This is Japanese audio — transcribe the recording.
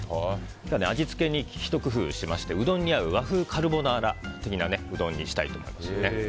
味付けにひと工夫しましてうどんに合う和風カルボナーラ的なうどんにしたいと思います。